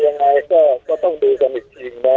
วันไหนเราก็ต้องดูกันอีกทีนะ